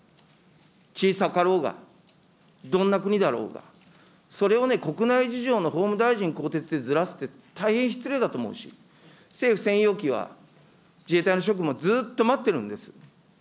小さかろうが、どんな国だろうが、それをね、国内事情の法務大臣更迭でずらすって、大変失礼だと思うし、政府専用機は、自衛隊の職務をずっと待ってるんです。